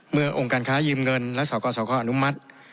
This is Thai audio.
เมื่อองค์การค้ายืมเงินและส่อกส่อคอนุมัติ